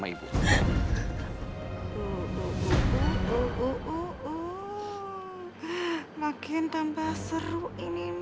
membunuh lain yang masih sama crap akan saya c